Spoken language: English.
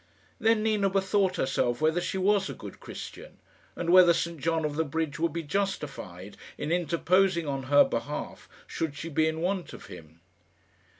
Then Nina bethought herself whether she was a good Christian, and whether St John of the Bridge would be justified in interposing on her behalf, should she be in want of him.